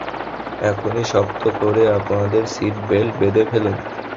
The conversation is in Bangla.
এক্ষুনি শক্ত করে আপনাদের সিট বেল্ট বেঁধে ফেলুন!